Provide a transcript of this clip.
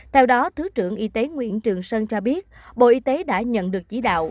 theo đó thứ trưởng y tế nguyễn trường sơn cho biết bộ y tế đã nhận được chỉ đạo